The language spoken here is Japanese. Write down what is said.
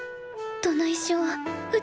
どないしよう。